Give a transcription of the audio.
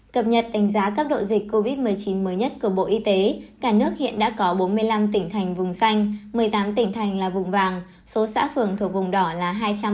cập nhật đánh giá cấp độ dịch covid một mươi chín mới nhất của bộ y tế cả nước hiện đã có bốn mươi năm tỉnh thành vùng xanh một mươi tám tỉnh thành là vùng vàng số xã phường thuộc vùng đỏ là hai trăm ba mươi